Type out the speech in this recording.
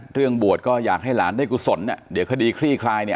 เรื่องบวชก็อยากให้หลานได้กุศลเดี๋ยวคดีคลี่คลายเนี่ย